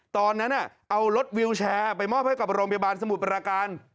ตอนนั้นเอารถวิวแชร์ไปมอบให้กับโรงพยาบาลสมุทรปราการ